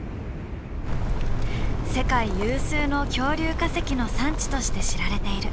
世界有数の恐竜化石の産地として知られている。